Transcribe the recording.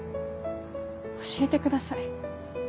教えてください。